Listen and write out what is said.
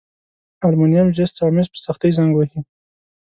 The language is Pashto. المونیم، جست او مس په سختي زنګ وهي.